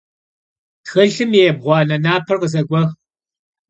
Txılhım yi yêbğuane naper khızeguex.